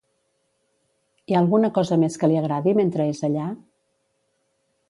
Hi ha alguna cosa més que li agradi mentre és allà?